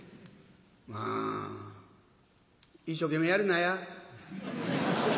「まあ一生懸命やりなや。